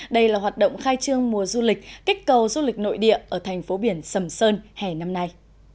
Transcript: đây là hoạt động khai trương mùa du lịch kích cầu du lịch nội địa ở thành phố biển sầm sơn hè năm nay